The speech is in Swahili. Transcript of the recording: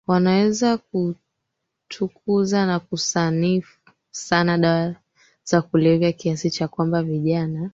wanaweza kutukuza na kusifu sana dawa za kulevya kiasi cha kwamba vijana